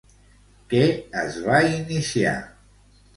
Què es va iniciar?